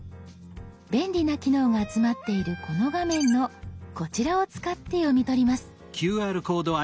便利な機能が集まっているこの画面のこちらを使って読み取ります。